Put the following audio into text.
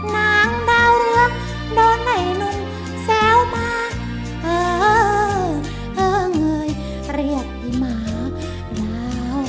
นางดาวเรืองโดนไหนนนแซวมาเออเออเงยเรียกอีหมาดาว